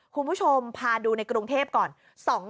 คุณผู้ชมพาดูในกรุงเทพก่อน